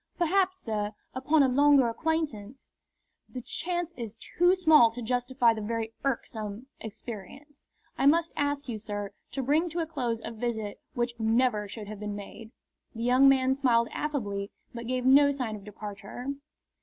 "Perhaps, sir, upon a longer acquaintance " "The chance is too small to justify the very irksome experience. I must ask you, sir, to bring to a close a visit which never should have been made." The young man smiled affably, but gave no sign of departure.